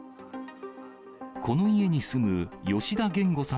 この家に住む吉田源吾さん